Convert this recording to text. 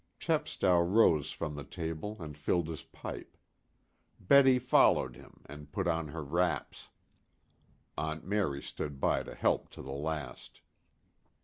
Chepstow rose from the table and filled his pipe. Betty followed him, and put on her wraps. Aunt Mary stood by to help to the last.